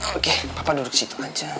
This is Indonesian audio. oke bapak duduk di situ aja